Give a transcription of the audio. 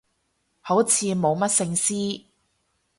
好似冇乜聖詩